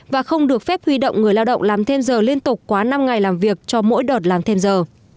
và không được phép huy động người lao động làm thêm giờ liên tục quá năm ngày làm việc cho mỗi đợt làm thêm giờ